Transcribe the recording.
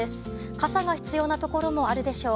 傘が必要な所もあるでしょう。